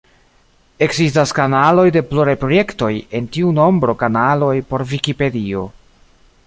Ekzistas kanaloj de pluraj projektoj, en tiu nombro kanaloj por Vikipedio.